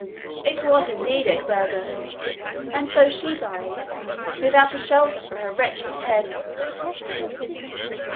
It was, indeed, Edburga; and so she died, without a shelter for her wretched head.